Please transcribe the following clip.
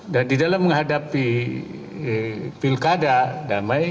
dan di dalam menghadapi pilkada damai